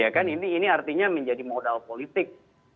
ya kan ini artinya menjadi modal politik